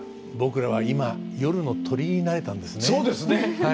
僕らは今夜の鳥になれたんですね。